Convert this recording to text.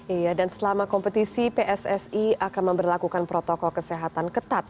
iya dan selama kompetisi pssi akan memperlakukan protokol kesehatan ketat